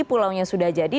pulaunya sudah jadi